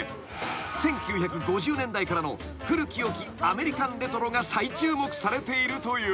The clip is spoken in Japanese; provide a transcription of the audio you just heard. ［１９５０年代からの古き良きアメリカンレトロが再注目されているという］